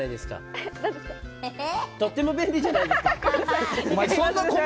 とっても便利じゃないですか。